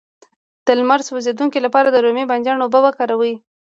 د لمر د سوځیدو لپاره د رومي بانجان اوبه وکاروئ